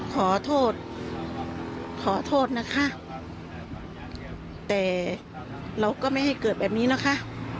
ขอโทษขอโทษนะคะแต่เราก็ไม่ให้เกิดแบบนี้นะคะ